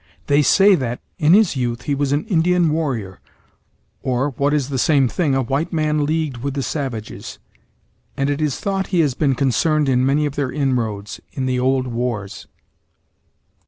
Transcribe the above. They say that, in his youth, he was an Indian warrior; or, what is the same thing, a white man leagued with the savages; and it is thought he has been concerned in many of their inroads, in the old wars."